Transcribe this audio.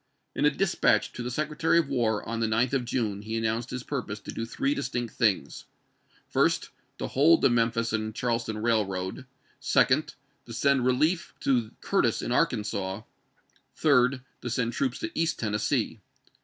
In a dispatch to the Secretary of War on the 9th of June he announced his purpose to do three distinct things : First, to hold the Memphis Haiieck and Charleston Railroad ; second, to send relief to ^°jun °9?"' Curtis in Arkansas ; third, to send troops to East voi. x., ' Part I. Tennessee.